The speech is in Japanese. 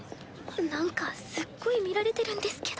なんかすっごい見られてるんですけど。